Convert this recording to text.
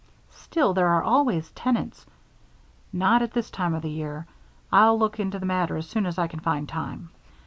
"Still, there are always tenants " "Not at this time of the year. I'll look into the matter as soon as I can find time."